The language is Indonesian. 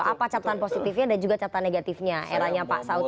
apa catatan positifnya dan juga catatan negatifnya eranya pak saud